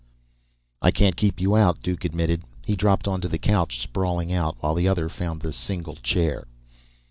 "I can't keep you out," Duke admitted. He dropped onto the couch, sprawling out, while the other found the single chair.